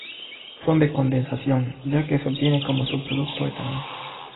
Son de condensación ya que se obtiene como subproducto etanol.